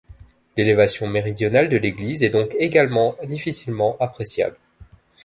L'élévation méridionale de l'église est donc également difficilement appréciable.